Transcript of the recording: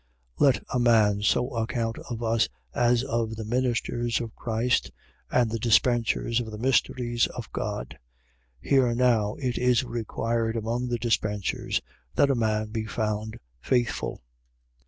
4:1. Let a man so account of us as of the ministers of Christ and the dispensers of the mysteries of God. 4:2. Here now it is required among the dispensers that a man be found faithful.